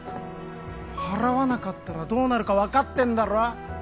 払わなかったらどうなるかわかってんだろ？